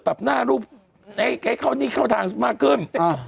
ปรับหน้ารูบินเข้าทางมากขึ้น